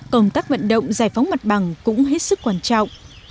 công tác vận động giải phóng mặt bằng cũng hết sức quan trọng